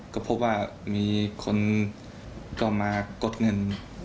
ก็พบว่ามีคนก็มากดเงิน